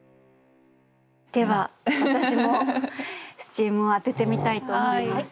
では私もスチームをあててみたいと思います。